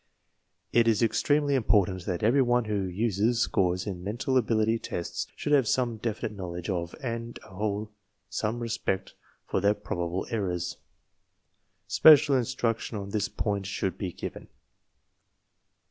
It^s extremely importanti that everyone who uses scores in mental ability tests \ y/ Lave so me defimteTSowledge of and a whole some respect for their provable errors. Special instruc tion on this point should be given.